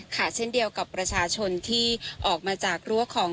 เช่นเดียวกับประชาชนที่ออกมาจากรั้วของ